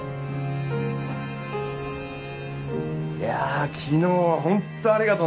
いやあ昨日は本当ありがとな。